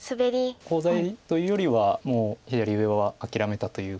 コウ材というよりはもう左上は諦めたというか。